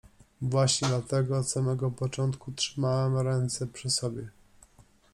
Właśnie dlatego od samego początku trzymałem ręce przy sobie.